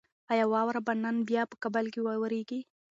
ایا واوره به نن بیا په کابل کې وورېږي؟